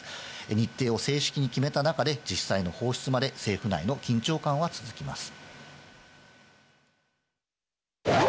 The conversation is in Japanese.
日程を正式に決めた中で、実際の放出まで、政府内の緊張感は続きます。